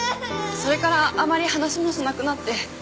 それからあまり話もしなくなって。